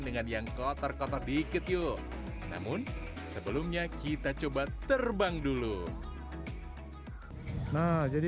dengan yang kotor kotor dikit yuk namun sebelumnya kita coba terbang dulu nah jadi